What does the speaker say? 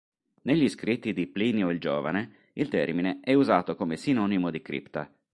Negli scritti di Plinio il Giovane, il termine è usato come sinonimo di cripta.